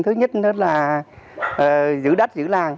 thứ nhất nó là giữ đách giữ làng